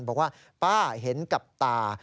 บอกว่าป้าเห็นกับตา